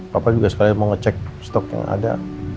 papa juga sekalian mau ngecek stok yang ada